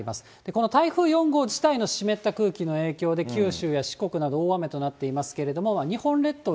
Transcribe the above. この台風４号自体の湿った空気の影響で、九州や四国など、大雨となっていますけれども、日本列島